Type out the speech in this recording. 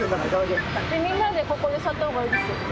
みんなでここに座った方がいいですよね。